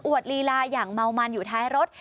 ลีลาอย่างเมามันอยู่ท้ายรถ